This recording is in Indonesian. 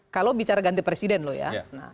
kalau bicara ganti presiden loh ya